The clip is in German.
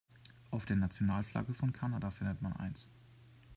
Auf der Nationalflagge von Kanada findet man eins.